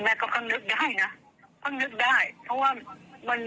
แม่ได้เอาโทรศัพท์ไปให้กับอเทรยะเนี่ยจริงไหมแม่